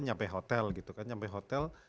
nyampe hotel gitu kan sampai hotel